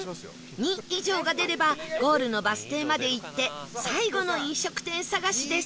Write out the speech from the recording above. ２以上が出ればゴールのバス停まで行って最後の飲食店探しです